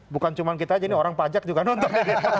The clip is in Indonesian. bukan cuma kita aja ini orang pajak juga nonton